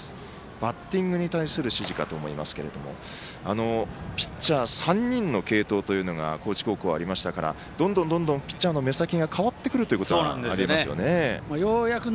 バッティングに対する指示かと思いますがピッチャー３人の継投というのが高知高校はありましたからどんどんピッチャーの目先が変わってくるということがありますね。